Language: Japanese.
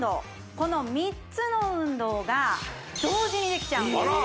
この３つの運動が同時にできちゃうんです